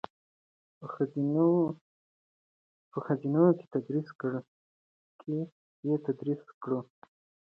په ښوونځیو کې یې تدریس کړو.